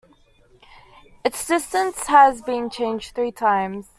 Its distance has been changed three times.